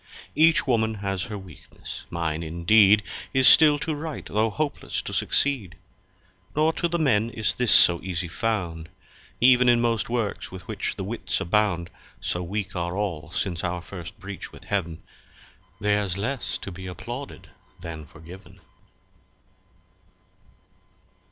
Each Woman has her weaknesse; mine indeed Is still to write tho' hopelesse to succeed. Nor to the Men is this so easy found; Ev'n in most Works with which the Witts abound (So weak are all since our first breach with Heav'n) Ther's less to be Applauded then forgiven.